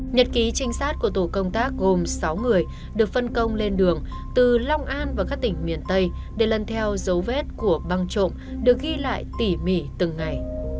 nhật ký trinh sát của tổ công tác gồm sáu người được phân công lên đường từ long an và các tỉnh miền tây để lần theo dấu vết của băng trộm được ghi lại tỉ mỉ từng ngày